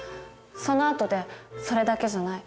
そのあとで「それだけじゃない。